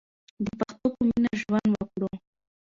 د پښتو په مینه ژوند وکړو.